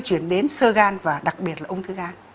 chuyển đến sơ gan và đặc biệt là ung thư gan